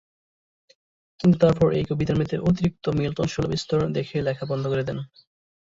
কিন্তু তারপর এই কবিতার মধ্যে "অতিরিক্ত মিলটন-সুলভ স্তর" দেখে লেখা বন্ধ করে দেন।